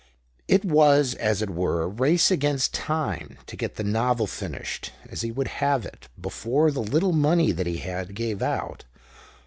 It was, as it were, a race against time, to get the novel finished as he would have it before the little money that he had gave out.